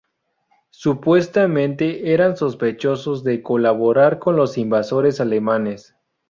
Supuestamente eran sospechosos de colaborar con los invasores alemanes.